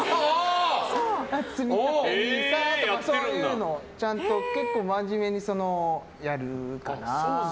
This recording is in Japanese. つみたてＮＩＳＡとかそういうのちゃんと結構真面目にやるかな。